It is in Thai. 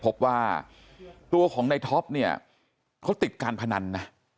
พบว่าตัวของในท็อปเนี่ยเขาติดการพนันนะ